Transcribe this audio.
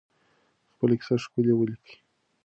خپله کیسه ښکلې ولیکئ.